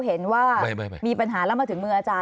เห็นว่ามีปัญหาแล้วมาถึงมืออาจารย